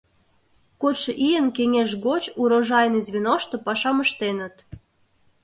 Кодшо ийын кеҥеж гоч урожайный звеношто пашам ыштеныт.